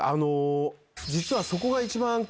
実はそこが一番。